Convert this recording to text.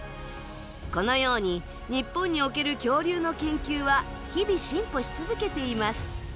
このように日本における恐竜の研究は日々進歩し続けています。